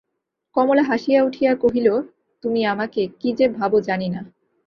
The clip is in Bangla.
কমলা হাসিয়া উঠিয়া কহিল, তুমি আমাকে কী যে ভাব জানি না।